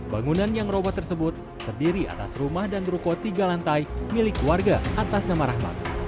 bangunan yang robot tersebut terdiri atas rumah dan ruko tiga lantai milik warga atas nama rahmat